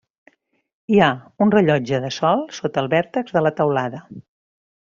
Hi ha un rellotge de sol sota el vèrtex de la teulada.